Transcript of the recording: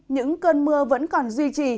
những cơn mưa vẫn còn duy trì